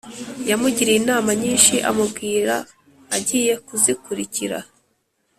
yamugiriye inama nyinshi amubwira agiye kuzikurikira